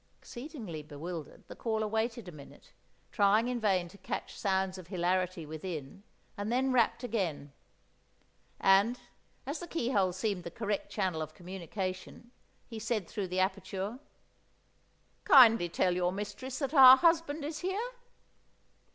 Exceedingly bewildered, the caller waited a minute, trying in vain to catch sounds of hilarity within, and then rapped again; and, as the keyhole seemed the correct channel of communication, he said through the aperture— "Kindly tell your mistress that her husband is here."